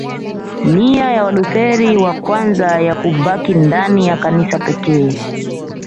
Nia ya Walutheri wa kwanza ya kubaki ndani ya Kanisa pekee